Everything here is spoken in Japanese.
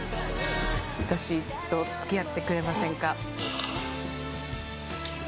私と付き合ってくれませんか？